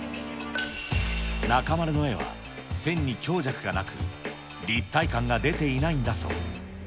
中丸の絵は、線に強弱がなく、立体感が出ていないんだそう。